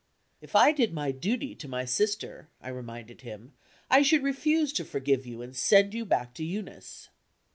"If I did my duty to my sister," I reminded him, "I should refuse to forgive you, and send you back to Eunice."